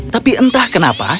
tapi entah kenapa